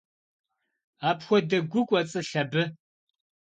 Апхуэдэ гу кӏуэцӏылъ абы?